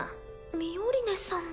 ミオリネさんの。